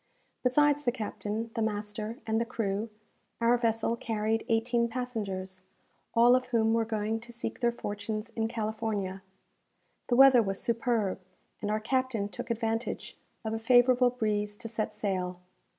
Besides the captain, the master, and the crew, our vessel carried eighteen passengers, all of whom were going to seek their fortunes in California. The weather was superb, and our captain took advantage of a favourable breeze to set sail.